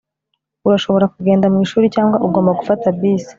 Urashobora kugenda mwishuri cyangwa ugomba gufata bisi